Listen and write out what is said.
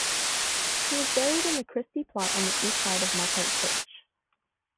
He is buried in the Christie plot on the east side of Muckhart church.